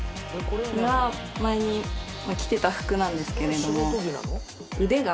これは前に着てた服なんですけれども。